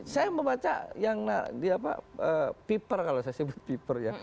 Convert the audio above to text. saya membaca yang paper kalau saya sebut paper ya